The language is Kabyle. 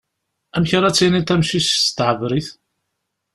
Amek ara d-tiniḍ amcic s tɛebrit?